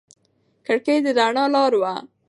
کړکۍ د رڼا لاره وه.